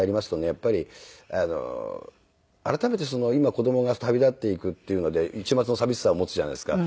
やっぱり改めて今子供が旅立っていくっていうので一抹の寂しさを持つじゃないですか。